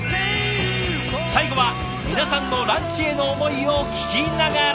最後は皆さんのランチへの思いを聞きながら。